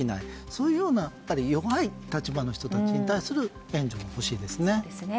そういうような弱い立場の人たちに対する援助がほしいですね。